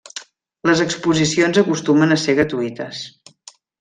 Les exposicions acostumen a ser gratuïtes.